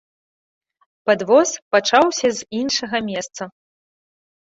Падвоз пачаўся з іншага месца.